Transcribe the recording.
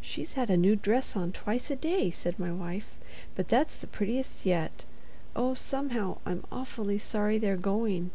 "She's had a new dress on twice a day," said my wife, "but that's the prettiest yet. Oh, somehow—I'm awfully sorry they're going!"